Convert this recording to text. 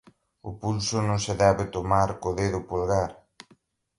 O pulso non se debe tomar co dedo polgar.